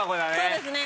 そうですね。